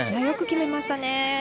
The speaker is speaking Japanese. よく決めました。